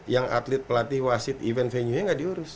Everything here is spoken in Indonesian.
yang atlet pelatih wasit event venue nya nggak diurus